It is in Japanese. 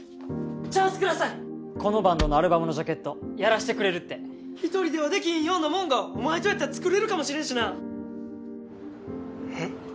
このバンドのアルバムのジャケットやらしてくれるって１人ではできひんようなもんがお前とやったら作れるかもしれんしなえっ？